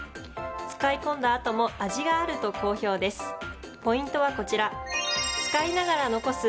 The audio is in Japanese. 使い込んだあとも味があると好評です。